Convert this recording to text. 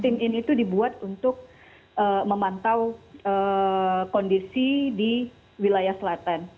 tim ini dibuat untuk memantau kondisi di wilayah selatan